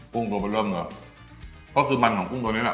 กรุ้งตัวไปเริ่มเนี้ยถ้าคือมันของกรุ้งตัวเนี้ยแหละ